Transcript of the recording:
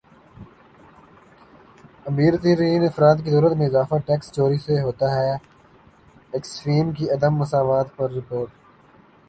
امیر ترین افراد کی دولت میں اضافہ ٹیکس چوری سے ہوتا ہےاکسفیم کی عدم مساوات پر رپورٹ